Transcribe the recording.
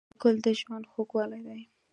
ګل د ژوند خوږوالی دی.